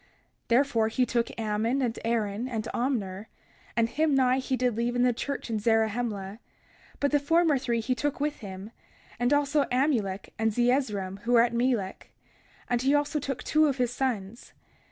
31:6 Therefore he took Ammon, and Aaron, and Omner; and Himni he did leave in the church in Zarahemla; but the former three he took with him, and also Amulek and Zeezrom, who were at Melek; and he also took two of his sons.